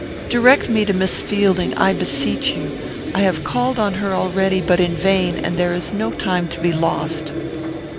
Direct me to Miss Fielding, I beseech you. I have called on her already, but in vain, and there is no time to be lost."